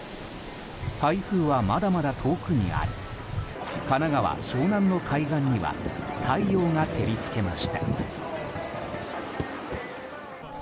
台風は、まだまだ遠くにあり神奈川・湘南の海岸には太陽が照り付けました。